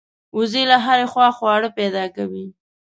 وزې له هرې خوا خواړه پیدا کوي